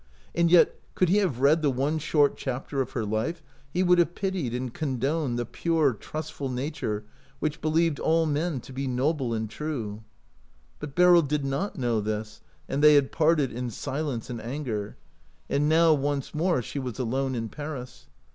And yet, could he have read the one short chap ter of her life, he would have pitied and condoned the pure, trustful nature which be lieved all men to be noble and true. But Beryl did not know this, and they had parted in silence and anger. And now, once more, she was alone in Paris.